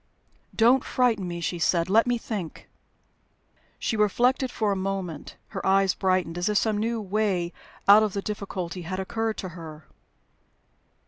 "Don't frighten me," she said. "Let me think." She reflected for a moment. Her eyes brightened, as if some new way out of the difficulty had occurred to her.